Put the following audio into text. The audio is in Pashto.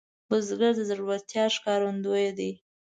بزګر د زړورتیا ښکارندوی دی